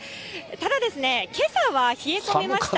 ただですね、けさは冷え込みました。